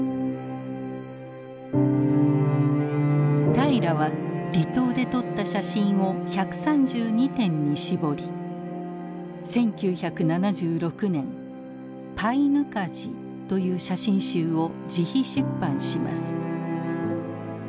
平良は離島で撮った写真を１３２点にしぼり１９７６年「パイヌカジ」という写真集を自費出版します。